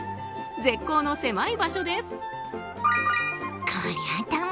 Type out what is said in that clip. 絶好の狭い場所です。